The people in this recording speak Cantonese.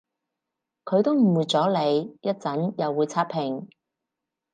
佢都誤會咗你，一陣又會刷屏